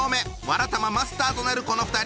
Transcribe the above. わらたまマスターとなるこの２人。